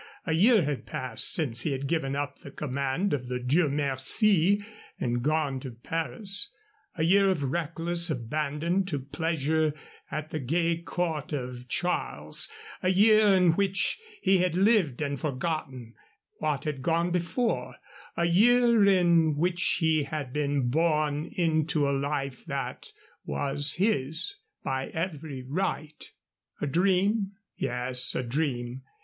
A year had passed since he had given up the command of the Dieu Merci and gone to Paris a year of reckless abandon to pleasure at the gay court of Charles, a year in which he had lived and forgotten what had gone before, a year in which he had been born into the life that was his by every right. A dream? Yes, a dream.